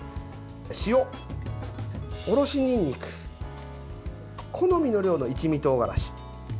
塩、おろしにんにく好みの量の一味とうがらし。